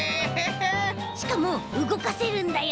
しかもうごかせるんだよ。